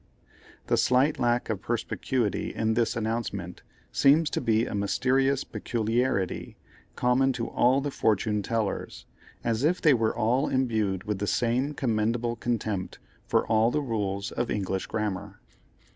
The slight lack of perspicuity in this announcement seems to be a mysterious peculiarity, common to all the Fortune Tellers, as if they were all imbued with the same commendable contempt for all the rules of English grammar.